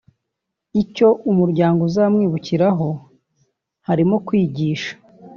Icyo umuryango uzamwibukiraho harimo kwigisha